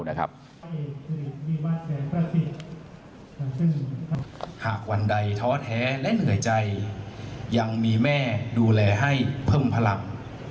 ซึ่งหากวันใดท้อแท้และเหนื่อยใจยังมีแม่ดูแลให้เพิ่มพลัง